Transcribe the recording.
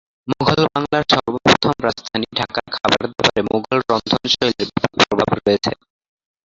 মুঘল বাংলার সর্বপ্রথম রাজধানী ঢাকার খাবার-দাবারে মুঘল রন্ধনশৈলীর ব্যাপক প্রভাব রয়েছে।